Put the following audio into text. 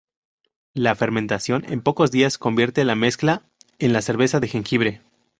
La fermentación en pocos días convierte la mezcla en la cerveza de jengibre.